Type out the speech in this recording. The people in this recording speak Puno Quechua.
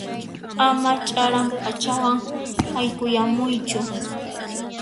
Ama ch'aran p'achawan haykuyamuychu.